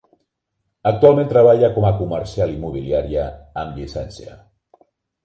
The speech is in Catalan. Actualment treballa com a comercial immobiliària amb llicència.